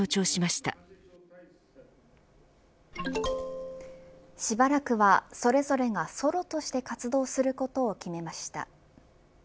しばらくはそれぞれがソロとして活動することを決めました。